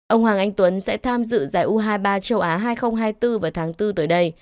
ông hoàng anh tuấn sẽ tham dự giải u hai mươi ba châu á hai nghìn hai mươi bốn vào tháng bốn tới đây